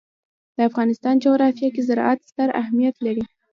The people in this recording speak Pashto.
د افغانستان جغرافیه کې زراعت ستر اهمیت لري.